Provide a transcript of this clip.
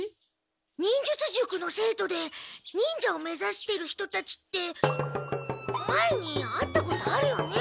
忍術塾の生徒で忍者を目ざしている人たちって前に会ったことあるよね。